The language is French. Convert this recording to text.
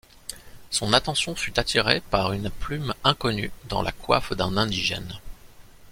Son attention fut attirée par une plume inconnue dans la coiffe d’un indigène.